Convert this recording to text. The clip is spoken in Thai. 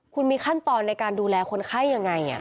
คุณมีขั้นตอนในการดูแลคนไข้ยังไง